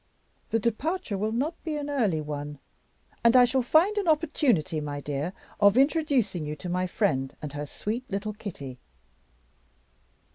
The departure will not be an early one; and I shall find an opportunity, my dear, of introducing you to my friend and her sweet little Kitty."